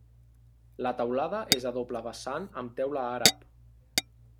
La teulada és a doble vessant amb teula àrab.